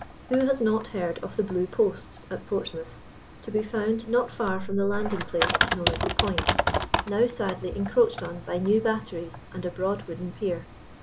Who has not heard of the Blue Posts at Portsmouth, to be found not far from the landing place known as the Point, now sadly encroached on by new batteries and a broad wooden pier?